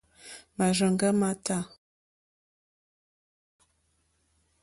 Màrzòŋɡá má tâ.